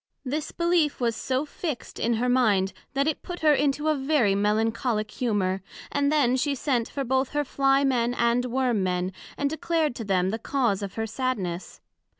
This belief was so fixt in her mind, that it put her into a very Melancholick humor; and then she sent both for her Fly men and Worm men, and declared to them the cause of her sadness.